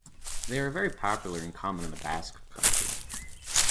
They are very popular and common in the Basque Country.